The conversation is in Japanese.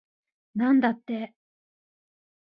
なんだって